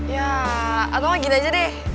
ya atau lagiin aja deh